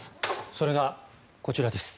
それが、こちらです。